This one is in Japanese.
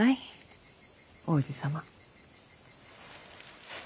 王子様。